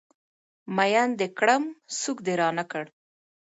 ميين د کړم سوک د رانه کړ